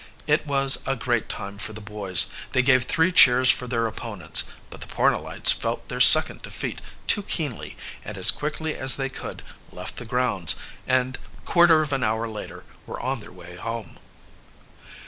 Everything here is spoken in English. It was a great time for the boys. They gave three cheers for their opponents, but the Pornellites felt their second defeat too keenly, and as quickly as they could they left the grounds, and quarter of an hour later were on their way home.